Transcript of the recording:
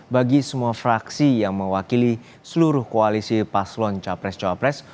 bagi semua fraksi yang mewakili seluruh koalisi paslon capres cawapres